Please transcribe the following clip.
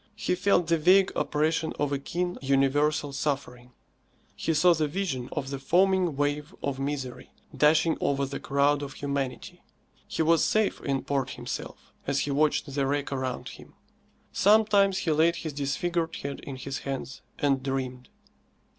He felt the vague oppression of a keen, universal suffering. He saw the vision of the foaming wave of misery dashing over the crowd of humanity. He was safe in port himself, as he watched the wreck around him. Sometimes he laid his disfigured head in his hands and dreamed.